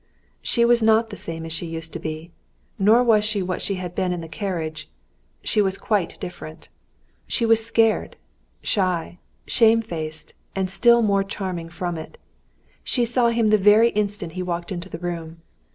She was not the same as she used to be, nor was she as she had been in the carriage; she was quite different. She was scared, shy, shame faced, and still more charming from it. She saw him the very instant he walked into the room.